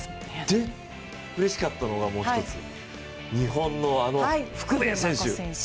で、うれしかったのがもう一つ、日本の福部選手。